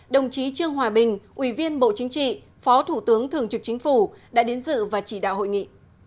đồng chí trương hòa bình ủy viên bộ chính trị phó thủ tướng thường trực chính phủ đã đến dự và chỉ đạo hội nghị